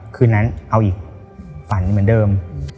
คืนนั้นเอาอีกฝันเหมือนเดิม